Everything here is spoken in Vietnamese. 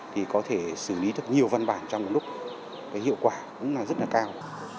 thì có thể xử lý được nhiều văn bản trong một lúc cái hiệu quả cũng là rất là cao